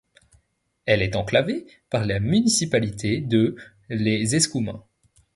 Elle est enclavée par la municipalité de Les Escoumins.